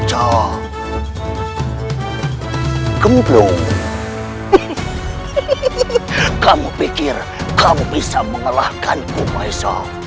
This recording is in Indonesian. faizsp jp itu ku bisa tinggal deciding boo